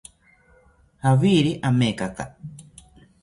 Jawiri amekaka